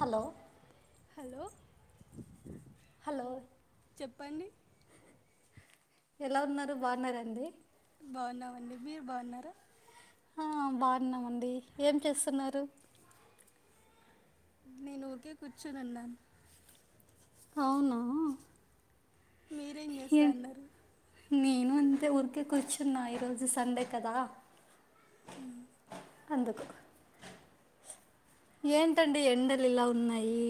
Hello hello hello చెప్పండి ఎలా ఉన్నారు బాగున్నార అండి బాగున్నావండి మీరు బాగున్నారా ఆ బాగున్నామండి ఏం చేస్తున్నారు నేను ఊరికే కూర్చోనున్నాను హవునా మీరేం ఏ చేస్తా అన్నారు నేను అంతే ఊరికే కూర్చున్నా ఈరోజు సండే కద ఊ అందుకు ఏంటండి ఎండలు ఇలా ఉన్నాయి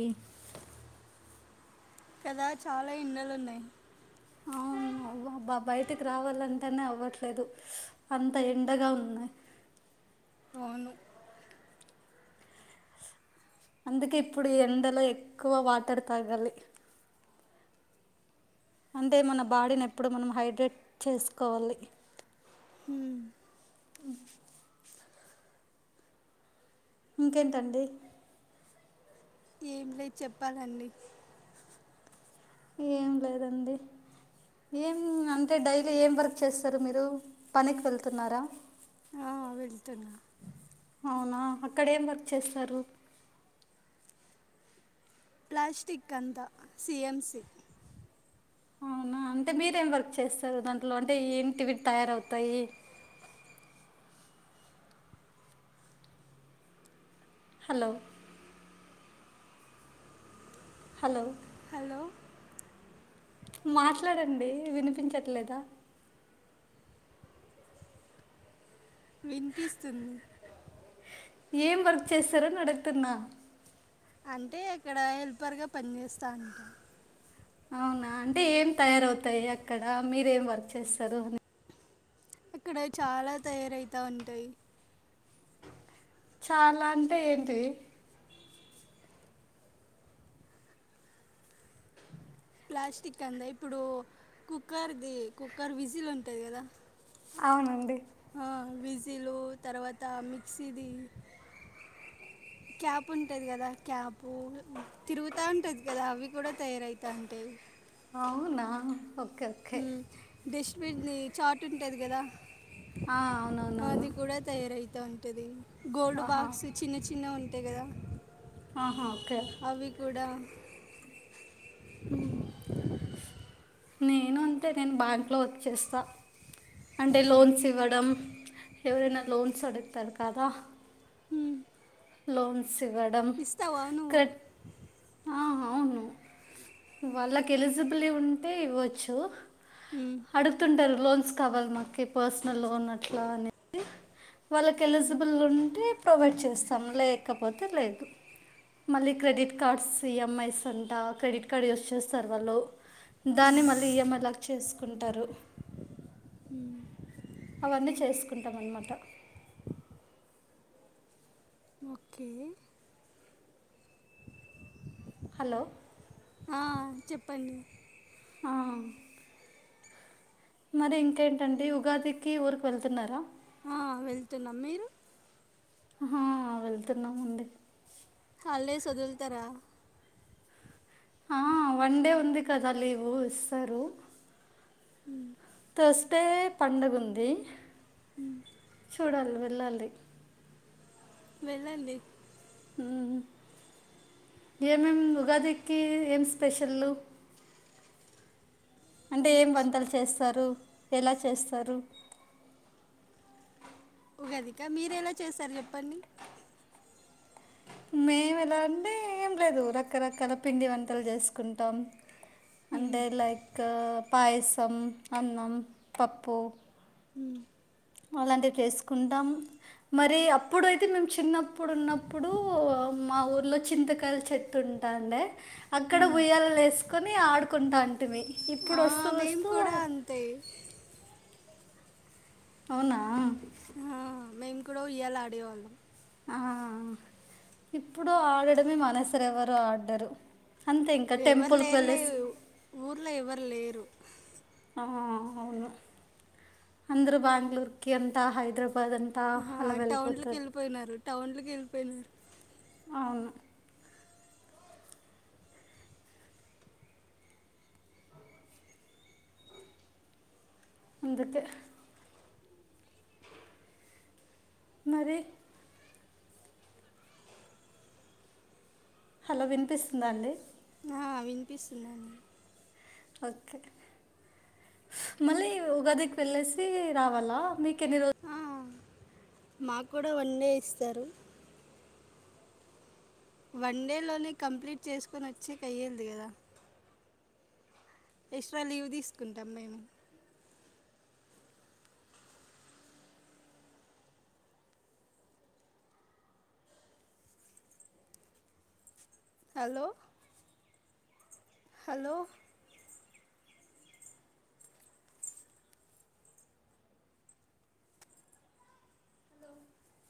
కదా చాలా ఎండలున్నాయి అవును అవబా బయటికి రావాలంటేనే అవ్వట్లేదు అంత ఎండగా ఉన్నాయి [inaudible] అవును అందుకే ఇప్పుడు ఈ ఎండలో ఎక్కువ వాటర్ తాగాలి అంటే మన బాడీని ఎప్పుడు మనం హైడ్రేట్ చేసుకోవాలి హు ఇంకేంటండి ఏమి లే చెప్పాలండి ఏం లేదండి ఏం అంటే డైలీ ఏం వర్క్ చేస్తారు మీరు పనికి వెళ్తున్నారా ఆ వెళ్తున్నారు అవునా అక్కడ ఏం వర్క్ చేస్తారు ప్లాస్టిక్ అంతా సిఎంసి అవునా అంటే మీరేం వర్క్ చేస్తారు దాంట్లో అంటే ఏంటివిట్ తయారవుతాయి హలో హలో హలో మాట్లాడండి వినిపించట్లేదా వినిపిస్తుంది ఏం వర్క్ చేస్తారని అడుగుతున్నా అంటే అక్కడ హెల్పర్ గా పని చేేస్తాను అవునా అంటే ఏం తయారవుతాయి అక్కడ మీరేం వర్క్ చేస్తారు అని ఇక్కడ చాలా తయారవుతూ ఉంటాయి చాలా అంటే ఏంటి ప్లాస్టిక్ వి ఇప్పుడు కుక్కర్ది కుక్కర్ విజిల్ ఉంటది కదా అవునండి ఆ విజిలు తర్వాత మిక్సీది క్యాప్ ఉంటది కదా క్యాపు తిరుగుతా ఉంటది కదా అవి కూడా తయారవుతూ ఉంటాయి అవునా ఓకే ఓకే డిష్ పిన్ చాట్ ఉంటది కదా ఆ, అవునవునవును అది కూడా తయారయితంది గోల్డ్ ఆహా బాక్స్ చిన్న చిన్నగా ఉంటాయి కదా ఆహా ఓకే అవి కూడా నేను అంతే నేను బ్యాంక్లో వర్క్ చేస్తా అంటే లోన్స్ ఇవ్వడం ఎవరైనా లోన్స్ అడుగుతారు కదా హ్మ్. లోన్స్ ఇవ్వడం ఇస్తావా నువ్వు ఆ ఆ అవును వాళ్ళకి ఎలిజిబులి ఉంటే ఇవ్వచ్చు హ్మ్. అడుగుతుంటారు లోన్స్ కావాలి మాకు పర్సనల్ లోన్ అట్లా అనేసి వాళ్ళకి ఎలిజిబుల్ ఉంటే ప్రొవైడ్ చేస్తాం లేకపోతే లేదు మళ్ళీ క్రెడిట్ కార్డ్స్ ఈఎంఐస్ అంట క్రెడిట్ కార్డ్ యూస్ చేస్తారు వాళ్ళు దాన్ని మళ్ళీ ఈఎంఐలో కి చేసుకుంటారు మ్మ్ అవన్నీ చేసుకుంటాం అన్నమాట ఓకే హలో ఆ చెప్పండి ఆ మరి ఇంకేంటండి ఉగాదికి ఊరికి వెళ్తున్నారా ఆ వెళ్తున్నాం మీరు ఆ వెళ్తున్నామండి హాలిడేస్ వొదుళ్తారా ఆ వన్ డే ఉంది కదా లీవు ఇస్తారు హ ఫస్టే పండుగ ఉంది చూడాలి వెళ్ళాలి వెళ్ళండి మ్మ్ ఏమేం ఉగాదికి ఏం స్పెషల్లు అంటే ఏం వంటలు చేస్తారు ఎలా చేస్తారు ఉగాదికి మీరు ఎలా చేశారు చెప్పండి మేము ఎలా అంటే ఏం లేదు రకరకాల పిండి వంటలు చేసుకుంటాం మ్మ్. అంటే లైక్ పాయసం అన్నం పప్పు మ్మ్ అలాంటివి చేసుకుంటాం మరి అప్పుడైతే మేము చిన్న అప్పుడున్నప్పుడు మా ఊర్లో చింతకాయల చెట్టు ఉంటాండే అక్కడ మ్మ్. ఊయ్యాల వేసుకొని ఆడుకుంటాంటిమీ ఇప్పుడు ఆ, వస్తూ మేము వస్తూ కూడా అంతే అవునా ఇక్కడ ఇయ్యలాడేవాళ్ళం ఇప్పుడు ఆడడమే మనసర ఎవరు ఆడరు అంతే ఇంకా ఎవరు టెంపుల్కి లేరు వెళ్ళేసి లేరు ఊర్లో ఎవరు లేరు అవును అందురు బ్యాంగ్ళూర్కి అంత హైదరాబాద్ అంట ఆ అలా టౌన్లకి వెళ్ళిపోతారు వెళ్ళిపోయినారు టౌన్ లోకి వెళ్ళిపోయినారు అవును ఇందుక మరి హలో వినిపిస్తుందా అండి వినిపిస్తున్నాను ఓకే మళ్ళీ ఉగాదికి వెళ్ళేసి రావాలా మీకు కన్ని రోజ ఆ, మాకు కూడా వన్డే ఇస్తారు వన్ డే లోనే కంప్లీట్ చేసుకుని వచ్చేక అయ్యేది కదా ఎక్స్ట్రా లీవ్ తీసుకుంటాం మేము హలో హలో